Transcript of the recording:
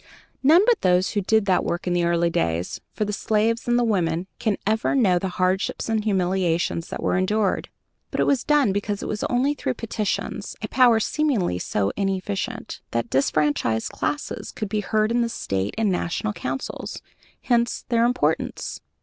None but those who did that work in the early days, for the slaves and the women, can ever know the hardships and humiliations that were endured. But it was done because it was only through petitions a power seemingly so inefficient that disfranchised classes could be heard in the State and National councils; hence their importance.